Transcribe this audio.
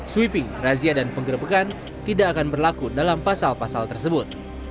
sweeping razia dan penggerbekan tidak akan berlaku dalam pasal pasal tersebut